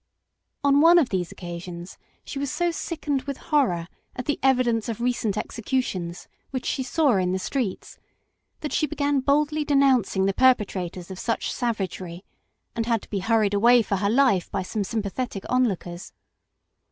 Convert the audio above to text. On one of these occasions she was so sickened with horror at the evidence of recent execu tions which she saw in the streets that she began boldly denouncing the perpetrators of such savagery, and had to be hurried away for her life by some sympathetic onlookers.